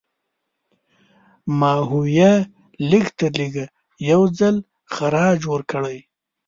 ماهویه لږترلږه یو ځل خراج ورکړی.